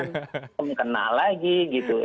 kemudian kena lagi gitu